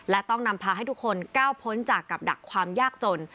และต้องนำพาให้ทุกคนก้าวพ้นจากกับดักความยากจน